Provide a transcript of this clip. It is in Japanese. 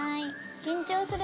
緊張する！